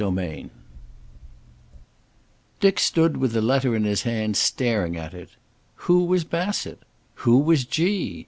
XVIII Dick stood with the letter in his hand, staring at it. Who was Bassett? Who was "G"?